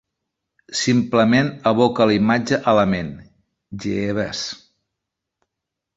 Simplement evoca la imatge a la ment, Jeeves.